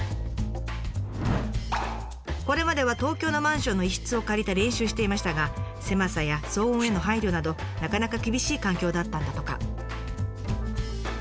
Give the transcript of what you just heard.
これまでは東京のマンションの一室を借りて練習していましたが狭さや騒音への配慮などなかなか厳しい環境だったんだとか。